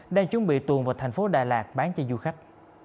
đang chuẩn bị tuồng vào thành phố đà lạt bán cho du khách